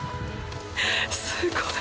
すごい！